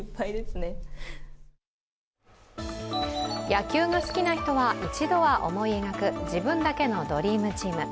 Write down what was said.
野球が好きな人は一度は思い描く自分だけのドリームチーム。